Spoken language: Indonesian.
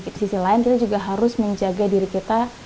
di sisi lain kita juga harus menjaga diri kita